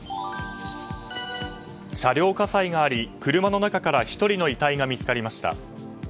車両火災があり、車の中から１人の遺体が見つかりました。